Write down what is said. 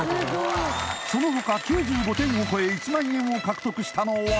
そのほか９５点を超え１万円を獲得したのは？